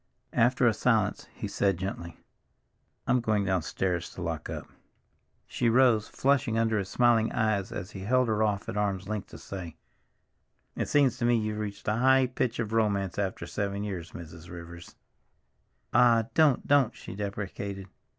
After a silence, he said gently, "I'm going downstairs now to lock up." She rose, flushing under his smiling eyes as he held her off at arm's length to say, "It seems to me you've reached a high pitch of romance after seven years, Mrs. Rivers!" "Ah, don't, don't," she deprecated.